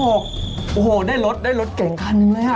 โอ้โฮได้ลดได้ลดเก่งกันเลย